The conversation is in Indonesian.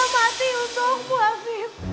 aku mau mati untukmu afif